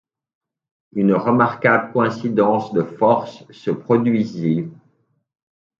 Une remarquable coïncidence de forces se produisit.